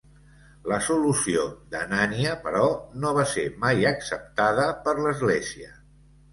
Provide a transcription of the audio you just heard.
La solució d'Anania, però, no va ser mai acceptada per l'església.